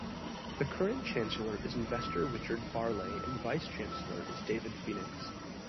The current Chancellor is investor Richard Farleigh and Vice-Chancellor is David Phoenix.